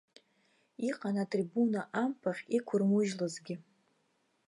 Иҟан атрибуна амԥахь иқәырмыжьлозгьы.